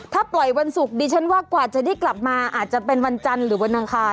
ถ้าปล่อยวันศุกร์ดิฉันว่ากว่าจะได้กลับมาอาจจะเป็นวันจันทร์หรือวันอังคาร